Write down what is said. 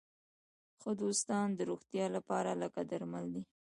ښه دوستان د روغتیا لپاره لکه درمل دي.